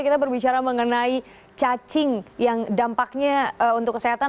kita berbicara mengenai cacing yang dampaknya untuk kesehatan